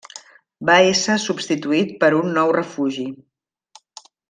Va ésser substituït per un nou refugi.